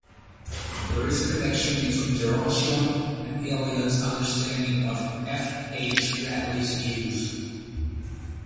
There is a connection between "Gerontion" and Eliot's understanding of F. H. Bradley's views.